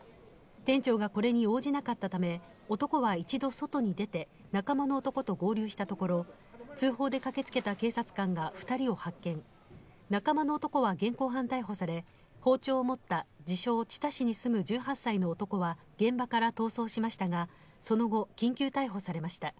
店長がこれに応じなかったため男は１度外に出て仲間の男と合流したところ通報で駆けつけた警察官が２人を発見、仲間の男は現行犯逮捕され、包丁を持った自称・愛知県知多市に住む１８歳の男は現場から逃走しましたが、その後、緊急逮捕されました。